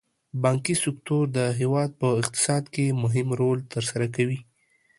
بانکي سکتور د هېواد په اقتصاد کې مهم رول تر سره کوي.